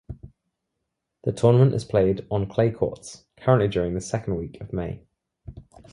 The tournament is played on clay courts, currently during the second week of May.